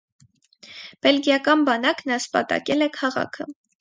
Բելգիական բանակն ասպատակել է քաղաքը։